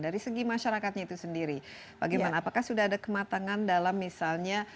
dari segi masyarakatnya itu sendiri bagaimana apakah sudah ada kematangan dalam misalnya